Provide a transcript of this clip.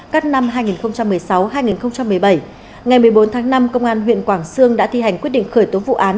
các năm hai nghìn một mươi sáu hai nghìn một mươi bảy ngày một mươi bốn tháng năm công an huyện quảng sương đã thi hành quyết định khởi tố vụ án